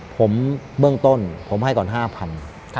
ผมเบื้องต้นผมให้ก่อน๕๐๐บาท